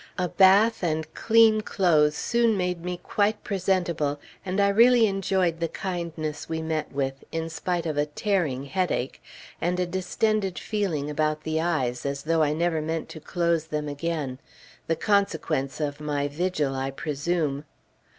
A bath and clean clothes soon made me quite presentable, and I really enjoyed the kindness we met with, in spite of a "tearing" headache, and a distended feeling about the eyes as though I never meant to close them again the consequence of my vigil, I presume.